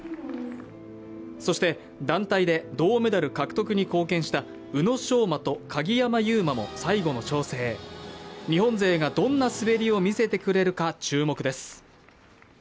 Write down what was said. そして団体で銅メダル獲得に貢献した宇野昌磨と鍵山優真も最後の調整日本勢がどんな滑りを見せてくれるか注目です